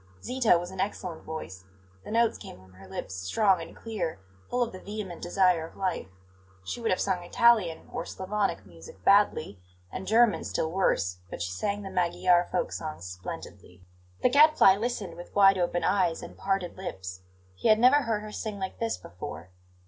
Zita was in excellent voice; the notes came from her lips strong and clear, full of the vehement desire of life. She would have sung Italian or Slavonic music badly, and German still worse; but she sang the Magyar folk songs splendidly. The Gadfly listened with wide open eyes and parted lips; he had never heard her sing like this before.